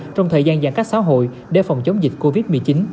trong thời gian giãn cách xã hội để phòng chống dịch covid một mươi chín